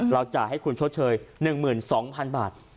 จ่ายให้คุณชดเชย๑๒๐๐๐บาท